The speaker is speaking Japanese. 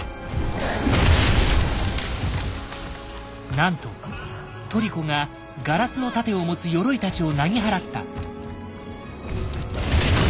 なんとトリコがガラスの盾を持つヨロイたちをなぎ払った。